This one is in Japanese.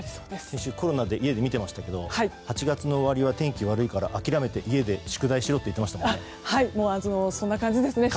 先週、コロナで家で見てましたけど８月の終わりは天気悪いから諦めて宿題しろって言ってましたもんね。